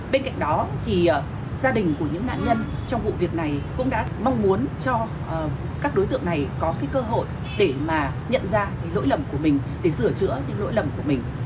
bên cạnh đó thì gia đình của những nạn nhân trong vụ việc này cũng đã mong muốn cho các đối tượng này có cơ hội để mà nhận ra lỗi lầm của mình để sửa chữa những lỗi lầm của mình